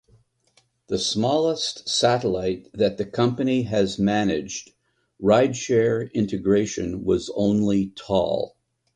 The smallest satellite that the company has managed rideshare integration was only tall.